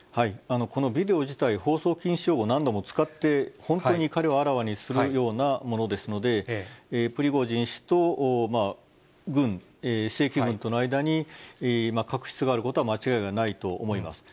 このビデオ自体、放送禁止用語を何度も使って、本当に怒りをあらわにするようなものですので、プリゴジン氏と軍、正規軍との間に、確執があることは間違いがないと思います。